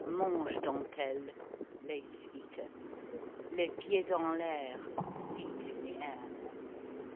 Mangedentelle. (Lace eater.) Les pieds en l'Air. (Feet in the air.)